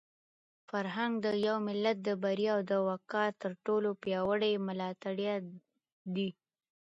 فرهنګ د یو ملت د بریا او د وقار تر ټولو پیاوړی ملاتړی دی.